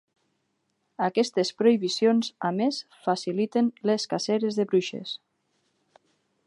Aquestes prohibicions a més faciliten les caceres de bruixes.